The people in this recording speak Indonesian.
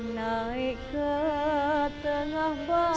naik ke tengah